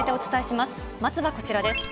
まずはこちらです。